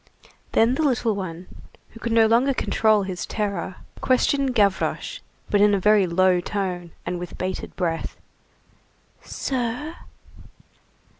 Then the little one, who could no longer control his terror, questioned Gavroche, but in a very low tone, and with bated breath:— "Sir?"